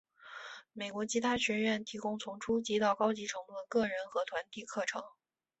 美国吉他学院提供从初级到高级程度的个人和团体课程。